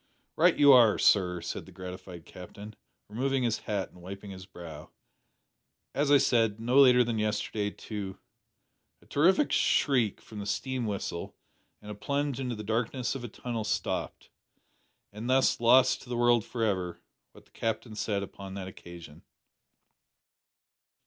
"Right you are, sir," said the gratified Captain, removing his hat and wiping his brow. "As I said, no later than yesterday to " A terrific shriek from the steam whistle, and a plunge into the darkness of a tunnel stopped and thus lost to the world for ever what the Captain said upon that occasion.